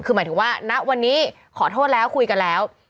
คือหมายถึงว่าณวันนี้ขอโทษแล้วคุยกันแล้ว